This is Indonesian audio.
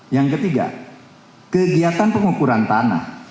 yang ketiga kegiatan pengukuran tanah